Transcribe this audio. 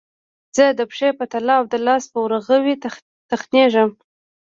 زه د پښې په تله او د لاس په ورغوي تخږم